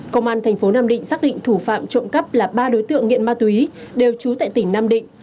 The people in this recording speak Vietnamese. công an tp nhcm xác định thủ phạm trộm cắp là ba đối tượng nghiện ma túy đều trú tại tỉnh nam định